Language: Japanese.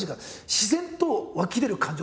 自然と湧き出る感情ですか？